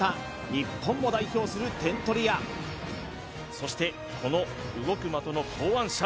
日本を代表する点取り屋そしてこの動く的の考案者